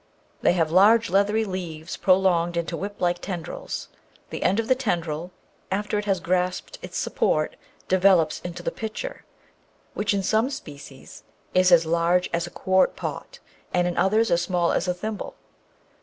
They have large leathery leaves prolonged into whiplike tendrils. The end of the tendril, after it has grasped its support, develops into the pitcher, which in some species is as large as a quart pot, in others as small as a thimble.